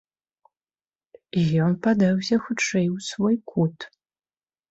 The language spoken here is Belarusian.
І ён падаўся хутчэй у свой кут.